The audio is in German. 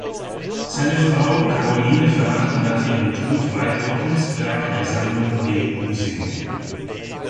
Seine Frau Caroline vermachte nach ihrem Tod weitere Kunstwerke der Sammlung dem Museum.